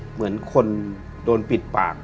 เหมือนคนโดนปิดปาก